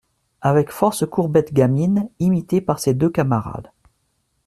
Avec force courbettes gamines imitées par ses deux camarades.